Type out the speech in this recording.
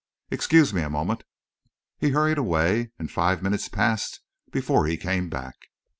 Excuse me a moment." He hurried away, and five minutes passed before he came back.